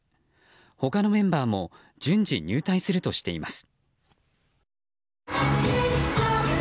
他のメンバーも順次、入隊するとしています。